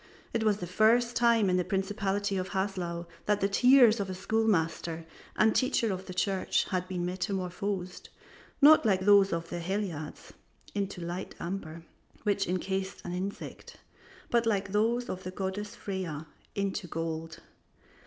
It was the first time in the principality of Haslau that the tears of a school master and teacher of the church had been metamorphosed, not like those of the Heliades into light amber, which incased an insect, but like those of the goddess Freya, into gold.